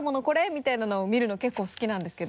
みたいなのを見るの結構好きなんですけど。